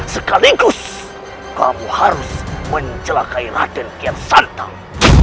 sekaligus kamu harus menjelakai raden kiansantang